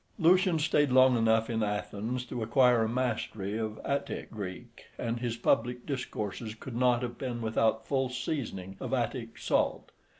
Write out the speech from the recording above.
Lucian stayed long enough in Athens to acquire a mastery of Attic Greek, and his public discourses could not have been without full seasoning of Attic salt.